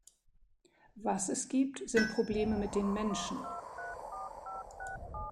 Was es gibt, sind Probleme mit den Menschen.